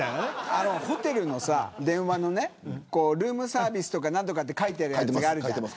ホテルの電話のルームサービスとか書いてあるやつあるじゃない。